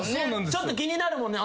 ちょっと気になるもんね。